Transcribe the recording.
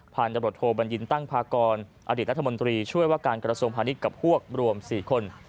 ตำรวจโทบัญญินตั้งพากรอดีตรัฐมนตรีช่วยว่าการกระทรวงพาณิชย์กับพวกรวม๔คน